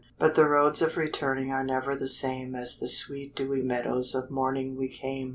But the roads of returning Are never the same As the sweet dewy meadows Of morning we came.